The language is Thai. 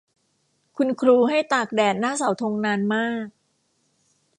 คุณครูให้ตากแดดหน้าเสาธงนานมาก